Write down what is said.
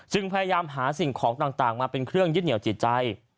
พยายามหาสิ่งของต่างมาเป็นเครื่องยึดเหนียวจิตใจ